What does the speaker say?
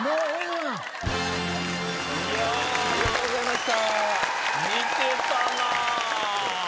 「ありがとうございます。